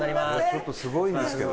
ちょっとすごいんですけど。